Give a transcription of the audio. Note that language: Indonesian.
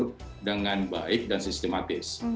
ini sudah diatur dengan baik dan sistematis